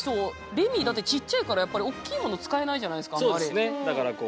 レミーだってちっちゃいからやっぱりおっきいもの使えないじゃないですかあんまり。